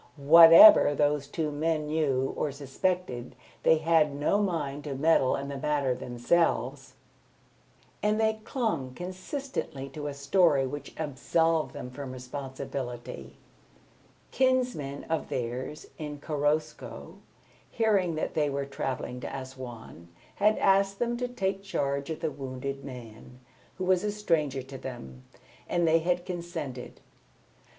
Whatever those two men knew or suspected, they had no mind to meddle in the matter themselves, and they clung consistently to a story which absolved them from responsibility. Kinsmen of theirs in Korosko, hearing that they were travelling to Assouan, had asked them to take charge of the wounded man, who was a stranger to them, and they had consented.